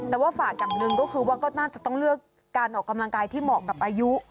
แต่ว่าฝากอย่างหนึ่งก็คือว่าก็น่าจะต้องเลือกการออกกำลังกายที่เหมาะกับอายุ